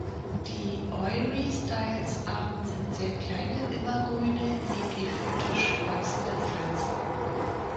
Die "Eurystyles"-Arten sind sehr kleine, immergrüne, epiphytisch wachsende Pflanzen.